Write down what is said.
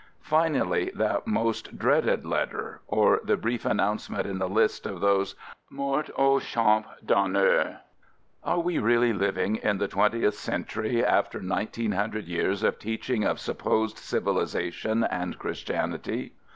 — Finally that most dreaded letter — or the brief announcement in the list of those "Mort au Champ d'Honneur." Are we really living in the twentieth 102 /AMERICAN /AMBULANCE century after 1900 years of teaching of supposed civilization and Christianity?